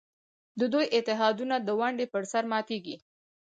د دوی اتحادونه د ونډې پر سر ماتېږي.